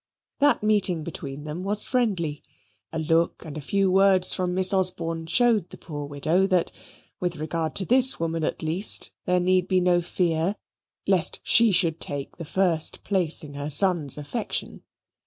The meeting between them was friendly. A look and a few words from Miss Osborne showed the poor widow that, with regard to this woman at least, there need be no fear lest she should take the first place in her son's affection.